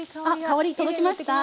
香り届きました？